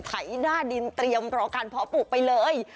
ไถหน้าดินเตรียมรอการเพาะปลูกไปเลย